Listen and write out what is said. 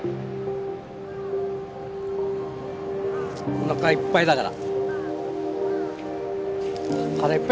おなかがいっぱいだから。